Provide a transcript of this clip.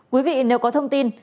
quý vị nếu có thông tin